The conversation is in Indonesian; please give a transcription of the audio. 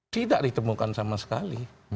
tidak ditemukan sama sekali